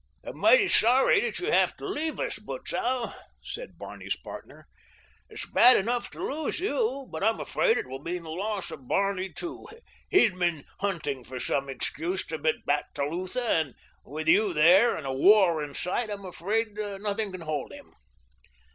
"I'm mighty sorry that you have to leave us, Butzow," said Barney's partner. "It's bad enough to lose you, but I'm afraid it will mean the loss of Barney, too. He's been hunting for some excuse to get back to Lutha, and with you there and a war in sight I'm afraid nothing can hold him."